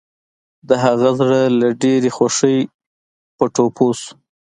د هغه زړه له ډېرې خوښۍ پر ټوپو شو.